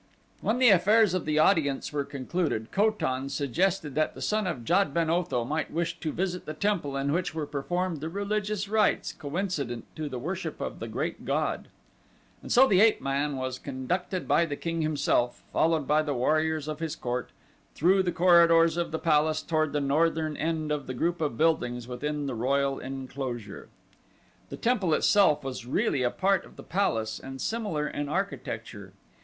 When the affairs of the audience were concluded Ko tan suggested that the son of Jad ben Otho might wish to visit the temple in which were performed the religious rites coincident to the worship of the Great God. And so the ape man was conducted by the king himself, followed by the warriors of his court, through the corridors of the palace toward the northern end of the group of buildings within the royal enclosure. The temple itself was really a part of the palace and similar in architecture.